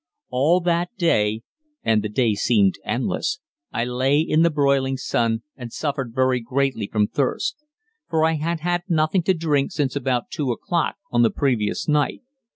All that day and the day seemed endless I lay in the broiling sun and suffered very greatly from thirst; for I had had nothing to drink since about 2 o'clock on the previous night.